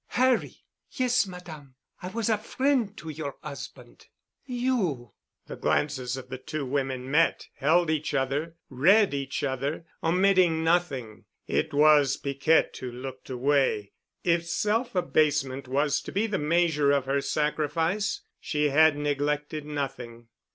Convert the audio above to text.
"Harry!" "Yes, Madame. I was a frien' to your 'usband." "You——?" The glances of the two women met, held each other—read each other, omitting nothing. It was Piquette who looked away. If self abasement was to be the measure of her sacrifice, she had neglected nothing.